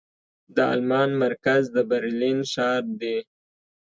د المان مرکز د برلين ښار دې.